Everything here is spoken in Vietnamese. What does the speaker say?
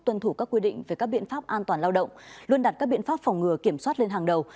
tuân thủ các quy định về các biện pháp an toàn lao động luôn đặt các biện pháp phòng ngừa kiểm soát lên hàng đầu